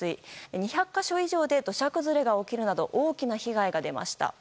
２００か所以上で土砂崩れが起きるなど大きな被害が出ました。